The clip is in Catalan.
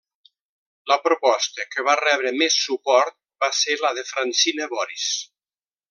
La proposta que va rebre més suport va ser la de Francina Boris.